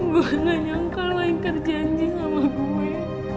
gue gak nyangka lo yang kerjanji sama gue